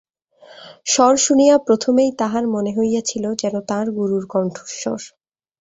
স্বর শুনিয়া প্রথমেই তাঁহার মনে হইয়াছিল, যেন তাঁর গুরুর কণ্ঠস্বর।